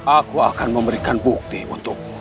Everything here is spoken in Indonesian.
aku akan memberikan bukti untukmu